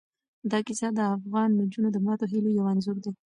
دا کیسه د افغان نجونو د ماتو هیلو یو انځور دی.